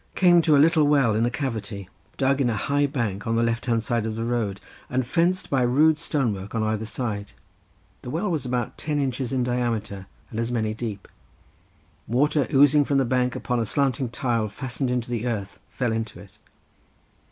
Came to a little well in a cavity dug in a high bank on the left hand side of the road, and fenced by rude stone work on either side; the well was about ten inches in diameter, and as many deep. Water oozing from the bank upon a slanting tile fastened into the earth fell into it.